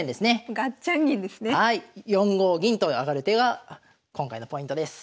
４五銀と上がる手が今回のポイントです。